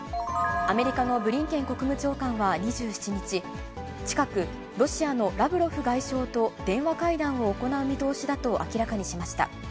アメリカのブリンケン国務長官は２７日、近く、ロシアのラブロフ外相と電話会談を行う見通しだと明らかにしました。